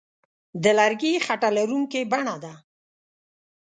د لرګي خټه لرونکې بڼه ده.